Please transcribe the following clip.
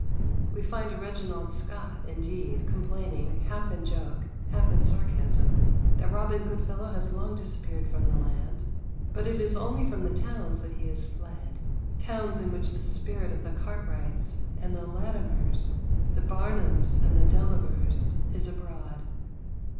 We find a Reginald Scot, indeed, complaining, half in joke, half in sarcasm, that Robin Goodfellow has long disappeared from the land; but it is only from the towns that he has fled towns in which the spirit of the Cartwrights and the Latimers, the Barnhams and the Delabers, is abroad.